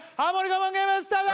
我慢ゲームスタート！